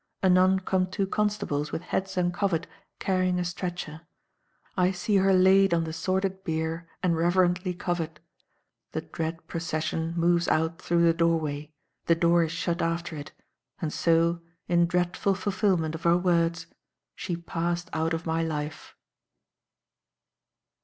Anon come two constables with heads uncovered carrying a stretcher. I see her laid on the sordid bier and reverently covered. The dread procession moves out through the doorway, the door is shut after it, and so, in dreadful fulfilment of her words, she passed out of my life.